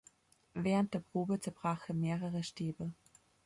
Während der Probe zerbrach er mehrere Stäbe.